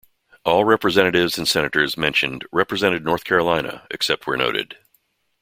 All representatives and senators mentioned represented North Carolina except where noted.